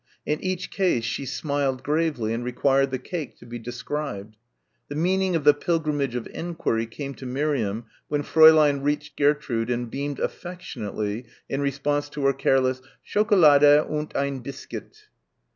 In each case she smiled gravely and required the cake to be described. The meaning of the pilgrimage of enquiry came to Miriam when Fräulein reached Gertrude and beamed affectionately in response to her careless "Schokolade und ein Biskuit."